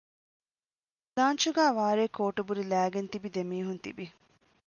ލާންޗުގައި ވާރޭ ކޯޓުބުރި ލައިގެން ތިބި ދެމީހުން ތިވި